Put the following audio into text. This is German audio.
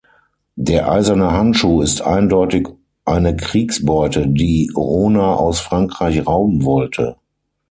Der eiserne Handschuh ist eindeutig eine Kriegsbeute, die Rona aus Frankreich rauben wollte.